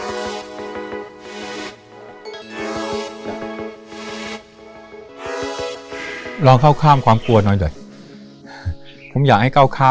กลับมาก่อนที่จะรู้ว่ามันกลับมาก่อนที่จะรู้ว่า